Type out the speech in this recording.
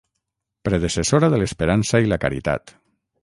Predecessora de l'esperança i la caritat.